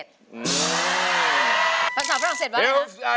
ฝรั่งศาสตร์ฝรั่งเศษวะนะฮะ